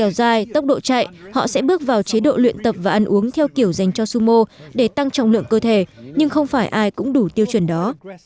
dài tốc độ chạy họ sẽ bước vào chế độ luyện tập và ăn uống theo kiểu dành cho summo để tăng trọng lượng cơ thể nhưng không phải ai cũng đủ tiêu chuẩn đó